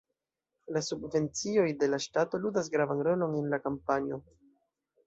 La subvencioj de la ŝtato ludas gravan rolon en la kampanjo.